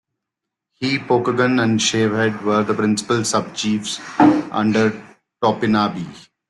He, Pokagon, and Shavehead were the principal sub-chiefs under Topinabee.